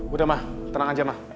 udah mah tenang aja mah